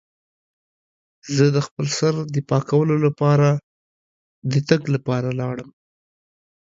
زه د خپل سر د پاکولو لپاره د تګ لپاره لاړم.